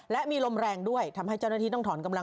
และมีลมแรงด้วยทำให้เจ้าหน้าที่ต้องถอนกำลัง